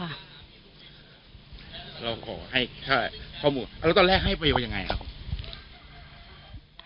เราขอให้แค่ข้อมูลเออตอนแรกให้ประโยชน์ยังไงครับ